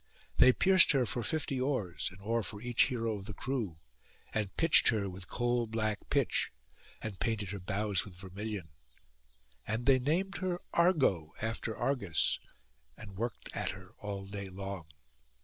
They pierced her for fifty oars—an oar for each hero of the crew—and pitched her with coal black pitch, and painted her bows with vermilion; and they named her Argo after Argus, and worked at her all day long.